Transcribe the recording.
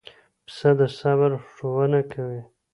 پسه د صبر ښوونه کوي.